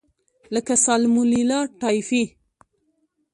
لکه سالمونیلا ټایفي.